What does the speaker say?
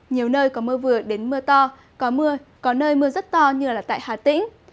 nhiều nơi có mưa vừa đến mưa to có mưa có nơi mưa rất to như tại hà tĩnh